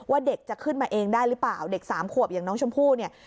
เด็กจะขึ้นมาเองได้หรือเปล่าเด็กสามขวบอย่างน้องชมพู่เนี่ย